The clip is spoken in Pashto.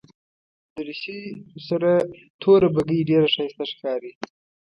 دریشي سره توره بګۍ ډېره ښایسته ښکاري.